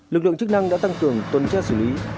lực lượng chức năng đã tăng cường tôn trách xử lý